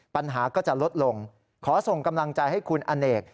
ปัญหาก็จะลดลงขอส่งกำลังใจให้คุณอเนก